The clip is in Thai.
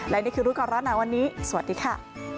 และนี่คือรู้ก่อนร้อนหนาวันนี้สวัสดีค่ะ